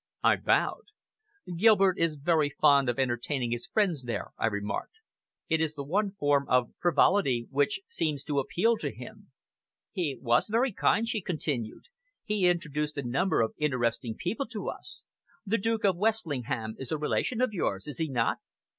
I bowed. "Gilbert is rather fond of entertaining his friends there," I remarked. "It is the one form of frivolity which seems to appeal to him." "He was very kind," she continued. "He introduced a number of interesting people to us. The Duke of Westlingham is a relation of yours, is he not?"